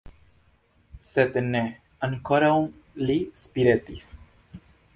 Sed ne; ankoraŭ li spiretis.